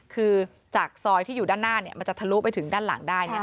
คือจากซอยที่อยู่ด้านหน้ามันจะทะลุไปถึงด้านหลังได้